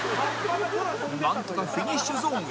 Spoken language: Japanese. なんとかフィニッシュゾーンへ